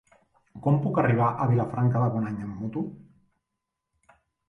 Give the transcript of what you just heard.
Com puc arribar a Vilafranca de Bonany amb moto?